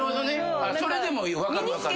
それでも分かる分かる。